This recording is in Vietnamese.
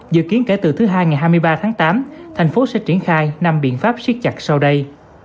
dự kiến kể từ thứ hai ngày hai mươi ba tháng tám thành phố sẽ triển khai năm biện pháp siết chặt sau đây